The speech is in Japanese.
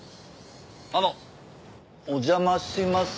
あのお邪魔します。